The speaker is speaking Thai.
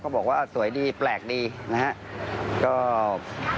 บอกว่าสวยดีแปลกดีนะครับ